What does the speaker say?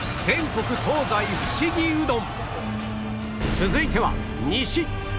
続いては西